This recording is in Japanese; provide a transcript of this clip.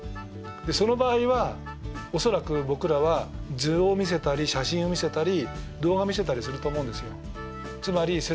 その場合は恐らく僕らは図を見せたり写真を見せたり動画見せたりすると思うんですよ。